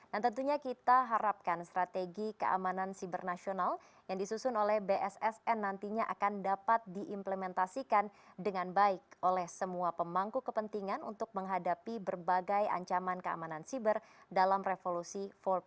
dan tentunya kita harapkan strategi keamanan sibernasional yang disusun oleh bssn nantinya akan dapat diimplementasikan dengan baik oleh semua pemangku kepentingan untuk menghadapi berbagai ancaman keamanan siber dalam revolusi empat